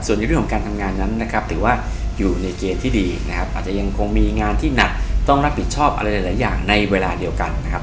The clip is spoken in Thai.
ส่วนในเรื่องของการทำงานนั้นนะครับถือว่าอยู่ในเกณฑ์ที่ดีนะครับอาจจะยังคงมีงานที่หนักต้องรับผิดชอบอะไรหลายอย่างในเวลาเดียวกันนะครับ